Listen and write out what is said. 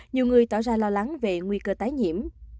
nhiều người tỏ ra lo lắng về nguy cơ tái nhiễm